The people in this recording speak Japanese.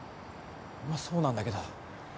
まあそうなんだけど。